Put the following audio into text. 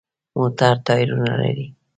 موټر ټایرونه لري.